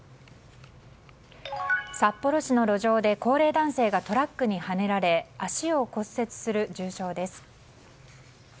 札幌市の路上で高齢男性がトラックにはねられ足を骨折する重傷です。